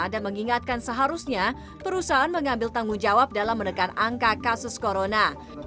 dan mengingatkan seharusnya perusahaan mengambil tanggung jawab dalam menekan angka kasus corona